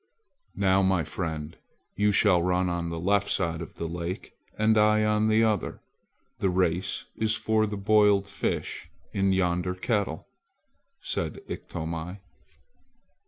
"Now, my friend, you shall run on the left side of the lake, I on the other. The race is for the boiled fish in yonder kettle!" said Iktomi.